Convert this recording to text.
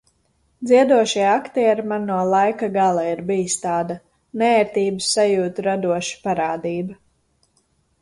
Dziedošie aktieri man no laika gala ir bijis tāda neērtības sajūtu radoša parādība.